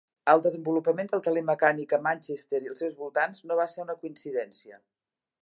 El desenvolupament del teler mecànic a Manchester i els seus voltants no va ser una coincidència.